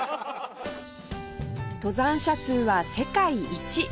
登山者数は世界一！